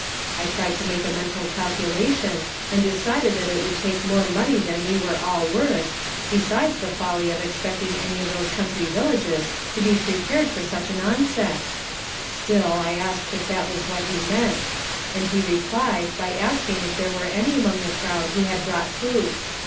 I tried to make a mental calcula tion, and decided that it would take more money than we were all worth, besides the folly of ex "CAi? GOD PREPARE A TABLE?" 187 pectlng any of those country villages to be pre pared for sucli an onset I Still, I asked if that was what he meant ; and he replied by asking if there were any among tlie crowd who had brought food.